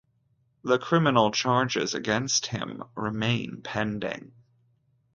The criminal charges against him remain pending.